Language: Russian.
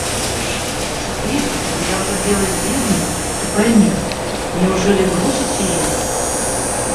Теперь, когда уже дело сделано, — ты пойми,— неужели бросить ее?